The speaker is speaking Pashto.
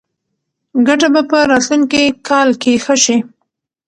ګټه به په راتلونکي کال کې ښه شي.